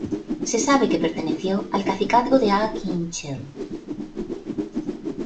Se sabe que perteneció al cacicazgo de Ah Kin Chel.